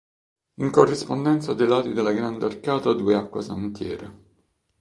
In corrispondenza dei lati dalla grande arcata due acquasantiere.